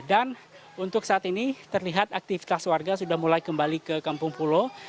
dan untuk saat ini terlihat aktivitas warga sudah mulai kembali ke kampung pulau